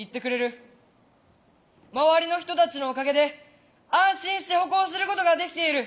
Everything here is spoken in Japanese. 周りの人たちのおかげで安心して歩行することができている。